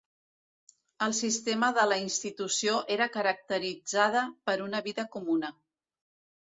El sistema de la institució era caracteritzada per una vida comuna.